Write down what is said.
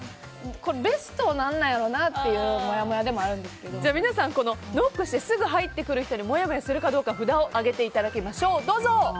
ベストは何なんやろうなっていう皆さんノックしてすぐ入ってくる人にもやもやするかどうか札を上げていただきましょう。